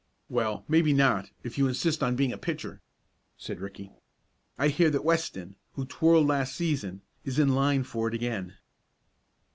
"Well, maybe not, if you insist on being pitcher," said Ricky. "I hear that Weston, who twirled last season, is in line for it again."